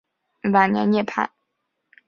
晚年涅盘。